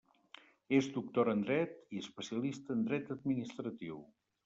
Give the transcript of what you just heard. És doctora en dret i especialista en dret administratiu.